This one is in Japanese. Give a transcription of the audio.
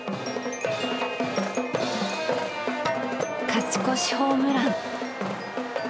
勝ち越しホームラン！